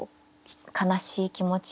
悲しい気持ち